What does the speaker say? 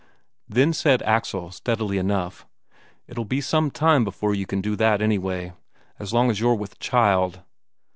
Then said Axel steadily enough: "It'll be some time before you can do that, anyway. As long as you're with child."